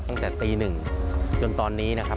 ตั้งแต่ตี๑จนตอนนี้นะครับ